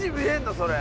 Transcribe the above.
それ。